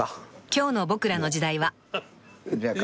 ［今日の『ボクらの時代』は］